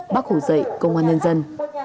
bác hủ dạy công an nhân dân